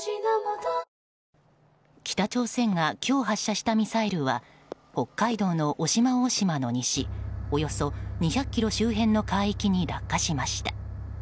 北朝鮮が今日発射したミサイルは北海道の渡島大島の西およそ２００ｋｍ周辺の海域に落下しました。